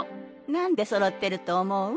なんでそろってると思う？